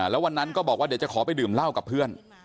แล้ววันนั้นก็บอกว่าเดี๋ยวจะขอไปดื่มเหล้ากับเพื่อน